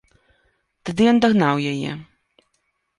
Тады ён дагнаў яе.